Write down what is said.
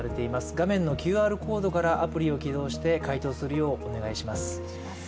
画面のＱＲコードからアプリを起動して回答するようにしてください。